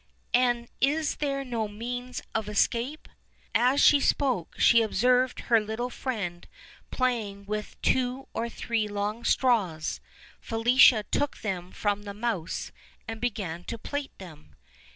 and is there no means of escape?" As she spoke she observed her little friend playing with two or three long straws: Felicia took them from the mouse and began to plait them.